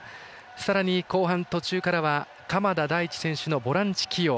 さらに、後半途中からは鎌田大地選手のボランチ起用。